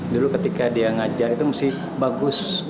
dulu ketika dia ngajar itu mesti bagus